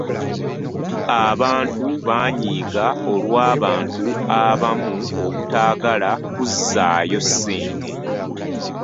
Abantu baanyiiga olw'abantu abamu obutaagala kuzzaayo ssente.